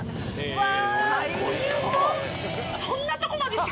うわ！